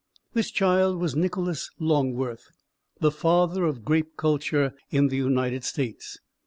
This child was Nicholas Longworth, the father of grape culture in the United States.